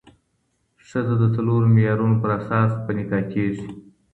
ښځه د څلورو معيارونو په اساس په نکاح کيږي